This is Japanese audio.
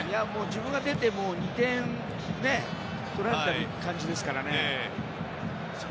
自分が代わってから２点取られた感じですからね。